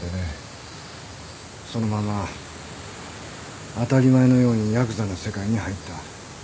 そのまま当たり前のようにやくざの世界に入った。